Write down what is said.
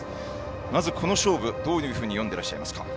まずこの勝負、どういうふうに読んでいますか。